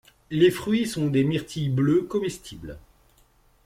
Les fruits sont des myrtilles bleues comestibles.